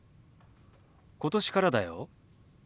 今年からだよ。